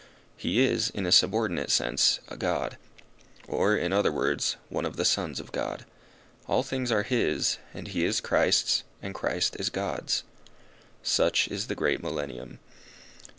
He is, in a subordinate sense, a god; or, in other words, one of the sons of God. All things are his, and he is Christ's, and Christ is God's. Such is the great Millennium.